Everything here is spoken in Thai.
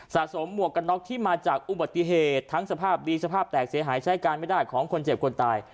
สะสมหมวกกันน็อกที่มาจากอุบัติเหตุทั้งสภาพดีสภาพแตกเสียหายใช้การไม่ได้ของคนเจ็บคนตาย